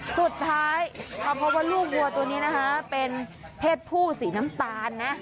สุดท้ายมาพบว่าลูกวัวตัวนี้นะคะเป็นเพศผู้สีน้ำตาลนะ